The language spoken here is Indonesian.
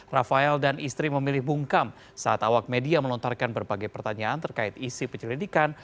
rafael dan istri memilih bungkam saat awak media melontarkan berbagai pertanyaan terkait isi penyelidikan